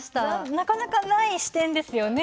なかなかない視点ですよね。